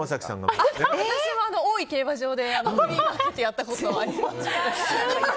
大井競馬場でやったことあります。